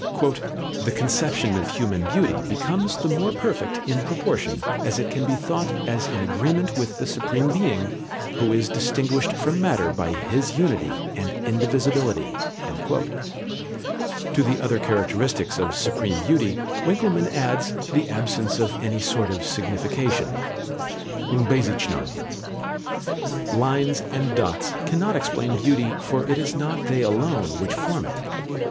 "The conception of human beauty becomes the more perfect in proportion as it can be thought as in agreement with the Supreme Being, who is distinguished from matter by His unity and indivisibility." To the other characteristics of supreme beauty, Winckelmann adds "the absence of any sort of signification" (Unbezeichnung). Lines and dots cannot explain beauty, for it is not they alone which form it.